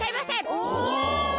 お！